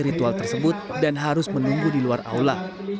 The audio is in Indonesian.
ritual tersebut dan harus menunggu di luar aula